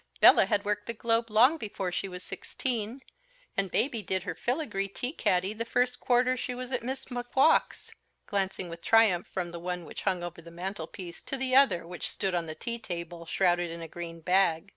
Bella had worked the globe long before she was sixteen; and Baby did her filigree tea caddy the first quarter she was at Miss Macgowk's," glancing with triumph from the one which hung over the mantelpiece, to the other which stood on the tea table, shrouded in a green bag.